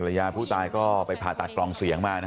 พระยาผู้ตายก็ไปผ่าตัดกลองเสียงบ้างนะคะ